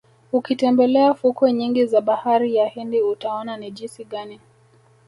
Ukitembelea fukwe nyingi za Bahari ya Hindi utaona ni jisi gani